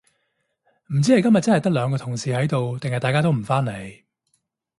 唔知係今日真係得兩個同事喺度定係大家都唔返嚟